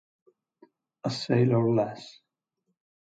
A Sailor's Lass